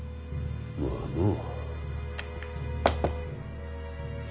まあのう。